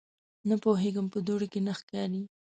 _نه پوهېږم، په دوړو کې نه ښکاري.